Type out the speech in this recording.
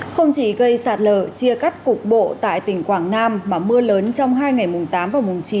không chỉ gây sạt lở chia cắt cục bộ tại tỉnh quảng nam mà mưa lớn trong hai ngày mùng tám và mùng chín